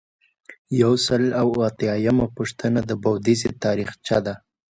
یو سل او اتیایمه پوښتنه د بودیجې تاریخچه ده.